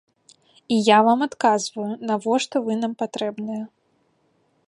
І я вам адказваю, навошта вы нам патрэбныя.